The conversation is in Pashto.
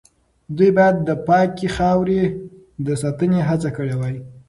دوی باید د پاکې خاورې د ساتنې هڅه کړې وای.